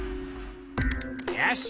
よし。